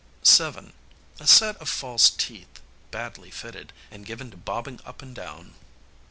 7. A set of false teeth, badly fitted, and given to bobbing up and down.